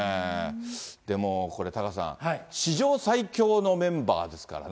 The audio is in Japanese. でもこれ、タカさん、史上最強のメンバーですからね。